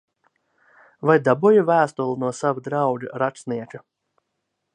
Vai dabūji vēstuli no sava drauga rakstnieka?